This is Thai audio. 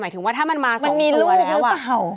หมายถึงว่าถ้ามันมา๒ตัวแล้วมันมีลูกหรือเปล่า